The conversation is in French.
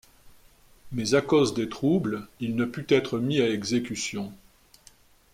Mais à cause des troubles il ne put être mis à exécution.